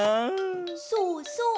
そうそう。